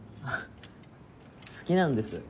好きなんです